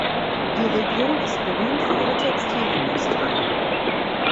Die Region ist berühmt für ihre Textilindustrie.